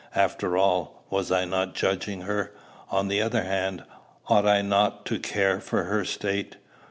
After all, was I not judging her? On the other hand, ought I not to care for her state?